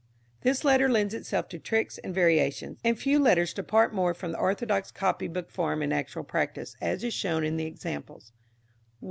_ This letter lends itself to tricks and variations, and few letters depart more from the orthodox copybook form in actual practice, as is shown in the examples.